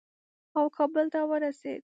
او کابل ته ورسېد.